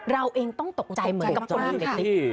เราเองต้องตกใจเหมือนกับพวกนี้